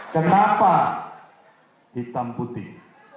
kenapa hitam putih